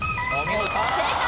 正解。